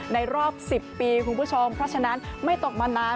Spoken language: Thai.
รอบ๑๐ปีคุณผู้ชมเพราะฉะนั้นไม่ตกมานาน